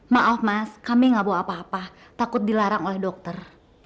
maaf mas kami gak bawa apa apa takut dilarang oleh dokter